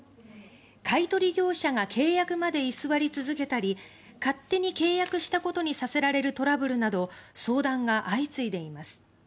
買い取り業者が契約まで居座り続けたり勝手に契約したことにさせられるトラブルなど相談が相次いでいます。